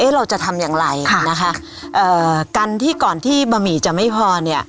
เราจะทำอย่างไรนะคะเอ่อกันที่ก่อนที่บะหมี่จะไม่พอเนี่ย